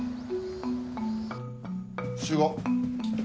集合。